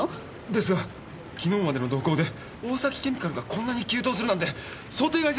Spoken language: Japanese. ですが昨日までの動向で大崎ケミカルがこんなに急騰するなんて想定外すぎます！